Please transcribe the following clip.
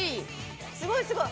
すごいすごい！